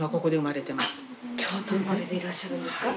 あっ京都生まれでいらっしゃるんですか。